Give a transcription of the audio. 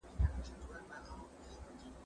زه هره ورځ نان خورم!